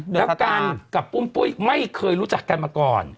แล้วกันกับปุ้มปุ้ยไม่เคยรู้จักกันมาก่อน